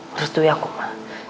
beres duit aku ma